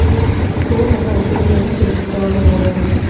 Tuvo fama de ser un hombre que disfrutaba de la buena vida.